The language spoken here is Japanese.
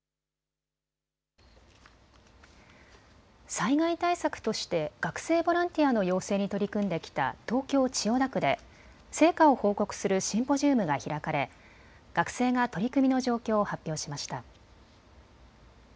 災害対策として学生ボランティアの養成に取り組んできた東京千代田区で成果を報告するシンポジウムが開かれ学生が取り組みの状況を発表しました。